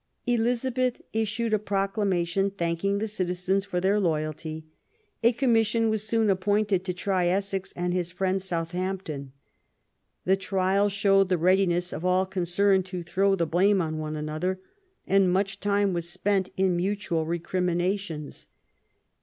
Elizabeth issued a proclamation thanking the citizens for their loyalty. A Commission was soon appointed to try Essex and his friend Southampton. The trial showed the readiness of all concerned to throw the blame on one another, and much time was spent in mutual recriminations.